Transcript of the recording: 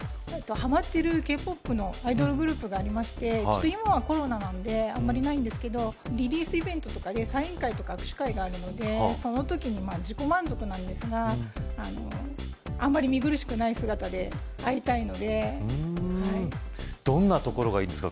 はまってるＫ−ＰＯＰのアイドルグループがありまして今はコロナなんであんまりないんですけどリリースイベントとかでサイン会とか握手会があるのでその時に自己満足なんですがあんまり見苦しくない姿で会いたいのでどんなところがいいんですか？